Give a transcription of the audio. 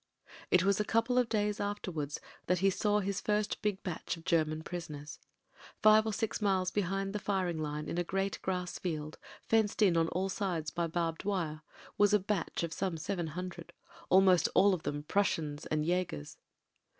It was a couple of days afterwards that he saw his first big batch of German prisoners. Five or six miles behind the firing line in a great grass field, fenced in on all sides by barbed wire, was a batch of some seven hundred — almost all of them Prussians and Jagers.